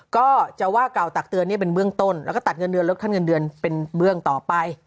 ก็จะว่ากล่าวตักเตือนเป็นเบื้องต้นแล้วก็ตัดเงินเดือนลดขั้นเงินเดือนเป็นเบื้องต่อไป